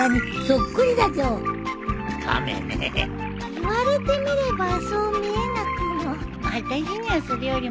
言われてみればそう見えなくも。